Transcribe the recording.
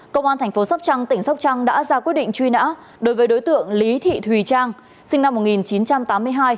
công an thành phố sóc trăng tỉnh sóc trăng đã ra quyết định truy nã đối với đối tượng lý thị thùy trang sinh năm một nghìn chín trăm tám mươi hai